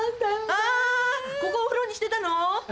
あここお風呂にしてたの？